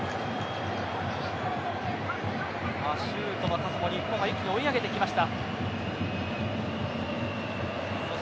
シュートの数も日本が追い上げてきました。